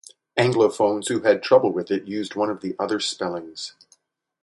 Anglophones who had trouble with it used one of the other spellings.